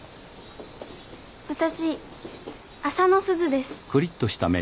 私浅野すずです。